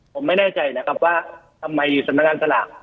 ผมไม่แน่ใจนะครับว่าทำไมสำนักงานสลาก